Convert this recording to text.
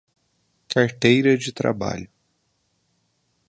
Carteira de trabalho